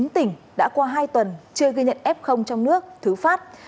một mươi chín tỉnh đã qua hai tuần chưa ghi nhận f trong nước thứ phát